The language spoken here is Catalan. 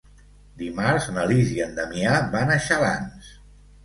Dimarts na Lis i en Damià van a Xalans.